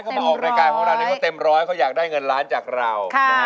เขาออกรายการเขาอยากได้เงินล้านจากเรา